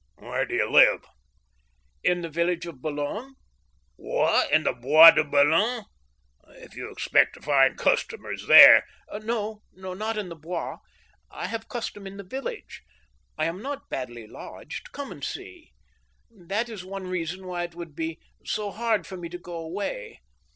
" Where do you live ?"" In the village of Boulogne." •' What ! in the Bois de Boulogne ? If you expect to find cus tomers there—" " No, not in the Bois ; but I have custom in the village. I am not badly lodged. Come and see. That is one reason why it would ^be so hard for me to go away.